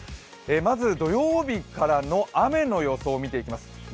まず土曜日からの雨の予想を見ていきます。